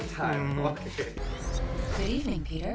selamat malam peter